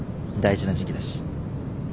大事な時期だし。